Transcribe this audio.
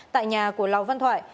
tại nhà của lào văn thoại